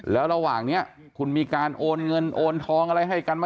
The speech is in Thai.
แล้วระหว่างนี้คุณมีการโอนเงินโอนทองอะไรให้กันไหม